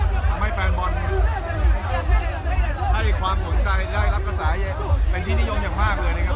ยังไม่แฟนบอลไฟความฝนการได้รับศัพท์เป็นที่นิยมอย่างมากเลยนะครับ